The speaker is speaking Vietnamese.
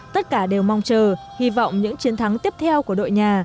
tất cả đều mong chờ hy vọng những chiến thắng tiếp theo của đội nhà